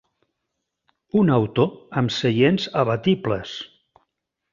Un auto amb seients abatibles.